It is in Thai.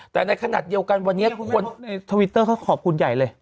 แต่ในขณะเดียวกันวันนี้คนในทวิตเตอร์เขาขอบคุณใหญ่เลย